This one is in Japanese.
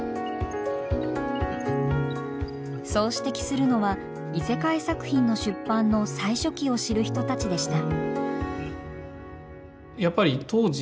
そう指摘するのは異世界作品の出版の最初期を知る人たちでした。